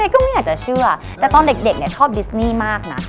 ก็ไม่อยากจะเชื่อแต่ตอนเด็กชอบดิสนี่มากนะ